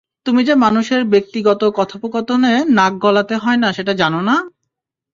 তুমি যে মানুষের ব্যক্তিগত কথোপকথনে না গলাতে হয় না সেটা জানো না?